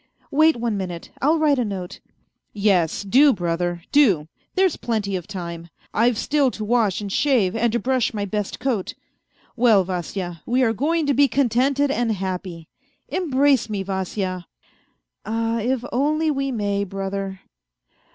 Wait one minute, I'll write a note." " Yes, do brother, do, there's plenty of time. I've still to wash and shave and to brush my best coat. Well, Vasya, wo are going to be contented and happy. Embrace me, Vasya." " Ah, if only we may, brother.